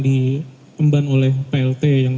dikemban oleh plt yang